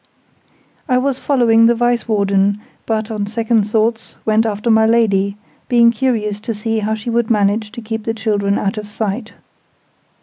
I was following the Vice Warden, but, on second thoughts, went after my Lady, being curious to see how she would manage to keep the children out of sight.